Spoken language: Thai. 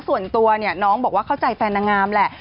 ส่วนตัวเนี่ยน้องบอกว่าเข้าใจแฟนนางงามแหละ